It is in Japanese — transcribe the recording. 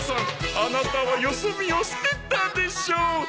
「あなたはよそ見をしてたでしょう」